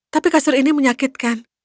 tapi kasur ini menyakitkan